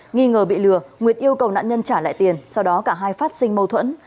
nghi ngờ bị lừa nguyệt yêu cầu nạn nhân trả lại tiền sau đó cả hai phát sinh mâu thuẫn